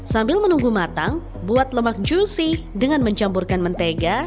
sambil menunggu matang buat lemak juicy dengan mencampurkan mentega